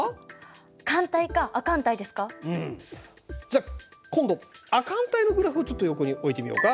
じゃあ今度亜寒帯のグラフをちょっと横に置いてみようか。